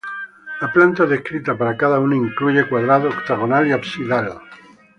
La planta descrita para cada uno incluye cuadrado, octagonal y absidal.